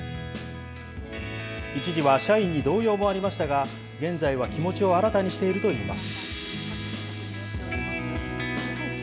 一時は社員に動揺もありましたが、現在は気持ちを新たにしているといいます。